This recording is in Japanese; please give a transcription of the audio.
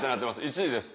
１位です。